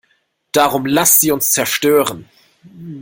Darum lasst sie uns zerstören!